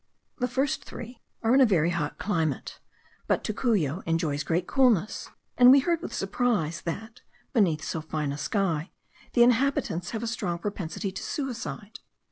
The first three are in a very hot climate; but Tocuyo enjoys great coolness, and we heard with surprise, that, beneath so fine a sky, the inhabitants have a strong propensity to suicide.